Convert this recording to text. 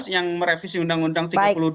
yang merevisi undang undang tiga puluh dua